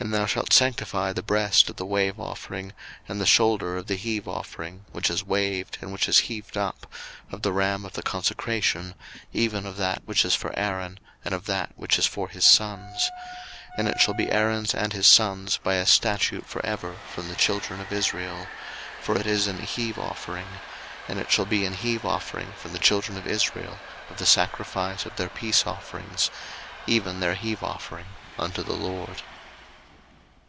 02:029:027 And thou shalt sanctify the breast of the wave offering, and the shoulder of the heave offering, which is waved, and which is heaved up, of the ram of the consecration, even of that which is for Aaron, and of that which is for his sons: 02:029:028 And it shall be Aaron's and his sons' by a statute for ever from the children of Israel: for it is an heave offering: and it shall be an heave offering from the children of Israel of the sacrifice of their peace offerings, even their heave offering unto the LORD.